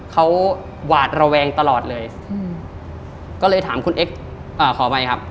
เขาหวาดระแวงตลอดเลยอืมก็เลยถามคุณเอ็กซ์ขออภัยครับ